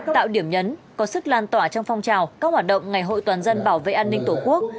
tạo điểm nhấn có sức lan tỏa trong phong trào các hoạt động ngày hội toàn dân bảo vệ an ninh tổ quốc